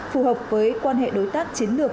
phù hợp với quan hệ đối tác chiến lược